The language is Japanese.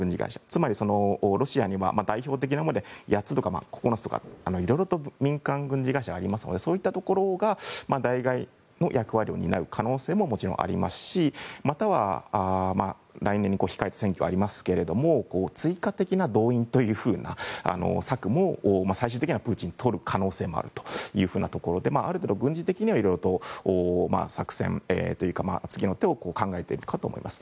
つまり、ロシアに代表的なもので８つ、９ついろいろと民間軍事会社はありますのでそういったところが代わりの役割を担う可能性もありますしまたは来年に選挙ありますけど追加的な動員という策も最終的にはプーチンがとる可能性があるということである程度、軍事的にはいろいろと作戦というか次の手を考えているかと思います。